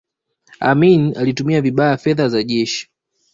amin alitumia vibaya fedha za jeshi